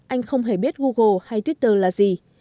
anh không hề biết google hay twitter là gì